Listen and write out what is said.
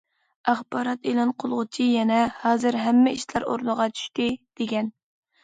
ئاخبارات ئېلان قىلغۇچى يەنە« ھازىر ھەممە ئىشلار ئورنىغا چۈشتى» دېگەن.